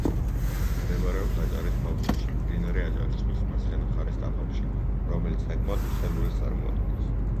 მდებარეობს აჭარის ქვაბულში, მდინარე აჭარისწყლის მარცხენა მხარეს ტაფობში, რომელიც საკმაოდ ვრცელ ველს წარმოადგენს.